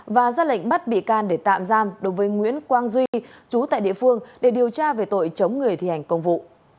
và ra lệnh bắt bị can để tạm giam đối với nguyễn quang duy chú tại địa phương để điều tra về tội chống người thi hành công vụ